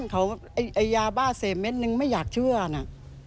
เขาไอ้ยาบ้าเสพเม็ดนึงไม่อยากเชื่อนะ